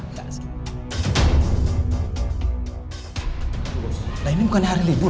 nah ini bukan hari libur